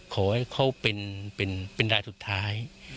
ขอให้เขาเป็นรายสุดท้าย